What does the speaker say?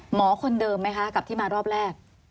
หมอคนเดิมไหมคะกับที่มารอบแรก